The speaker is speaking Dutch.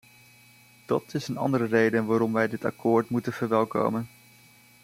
Dat is een andere reden waarom wij dit akkoord moeten verwelkomen.